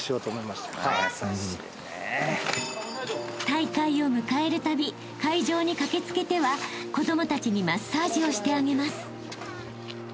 ［大会を迎えるたび会場に駆け付けては子供たちにマッサージをしてあげます］